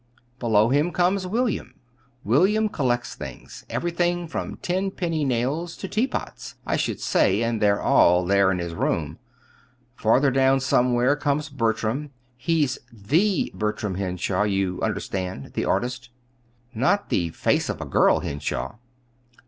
Below him comes William. William collects things everything from tenpenny nails to teapots, I should say, and they're all there in his rooms. Farther down somewhere comes Bertram. He's the Bertram Henshaw, you understand; the artist." "Not the 'Face of a Girl' Henshaw?"